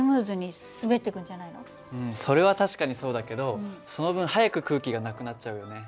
うんそれは確かにそうだけどその分早く空気がなくなっちゃうよね。